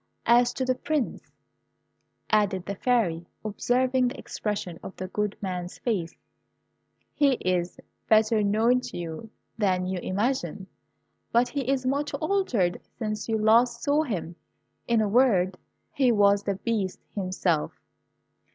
As to the Prince," added the Fairy, observing the expression of the good man's face, "he is better known to you than you imagine; but he is much altered since you last saw him. In a word, he was the Beast himself."